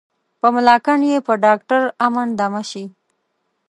په ملاکنډ یې په ډاکټر امن دمه شي.